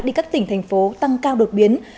đi các tỉnh thành phố tăng cao đột biến